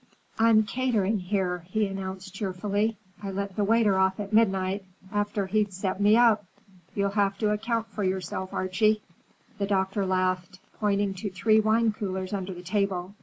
"I'm catering here," he announced cheerfully. "I let the waiter off at midnight, after he'd set me up. You'll have to account for yourself, Archie." The doctor laughed, pointing to three wine coolers under the table.